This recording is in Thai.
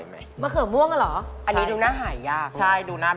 มันไม่มีในตำรามก